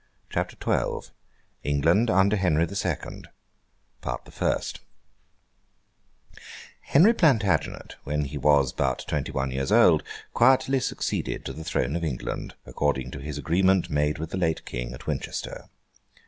CHAPTER XII ENGLAND UNDER HENRY THE SECOND PART THE FIRST Henry Plantagenet, when he was but twenty one years old, quietly succeeded to the throne of England, according to his agreement made with the late King at Winchester.